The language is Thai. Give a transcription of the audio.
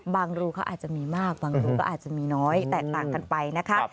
รูเขาอาจจะมีมากบางรูก็อาจจะมีน้อยแตกต่างกันไปนะคะ